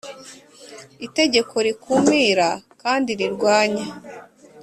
Itegeko rikumira kandi rirwanya